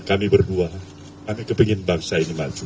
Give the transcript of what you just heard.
kami berdua kami kepingin bangsa ini maju